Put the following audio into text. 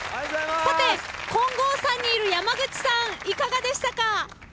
さて、金剛山にいる山口さんいかがでしたか？